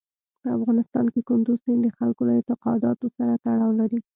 په افغانستان کې کندز سیند د خلکو له اعتقاداتو سره تړاو لري.